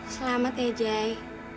selamat ya jai